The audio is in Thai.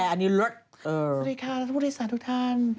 สวัสดีค่ะรัฐผู้โดยศาลทุกท่าน